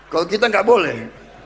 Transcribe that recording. kalau kita gak boleh